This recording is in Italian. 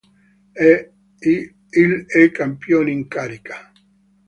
Il è campione in carica.